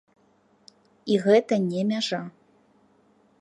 І гэта не мяжа.